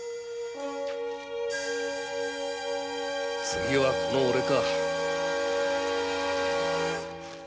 次はこのオレか！